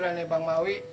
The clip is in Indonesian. ini anjurannya bang maui